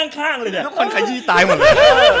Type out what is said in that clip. คนขยี้ตายหมดเลย